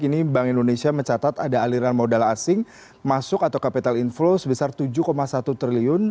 kini bank indonesia mencatat ada aliran modal asing masuk atau capital inflow sebesar tujuh satu triliun